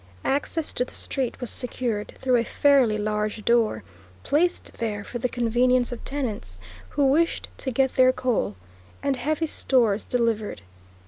Access to the street was secured through a fairly large door, placed there for the convenience of tenants who wished to get their coal and heavy stores delivered.